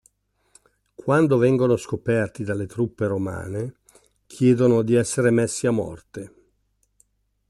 Quando vengono scoperti dalle truppe romane, chiedono di essere messi a morte.